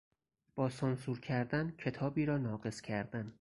با سانسور کردن کتابی را ناقص کردن